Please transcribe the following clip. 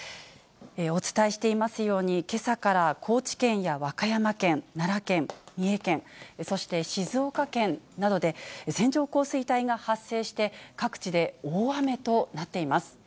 お伝えしていますように、けさから高知県や和歌山県、奈良県、三重県、そして静岡県などで、線状降水帯が発生して、各地で大雨となっています。